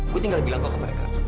gue tinggal bilang kok ke mereka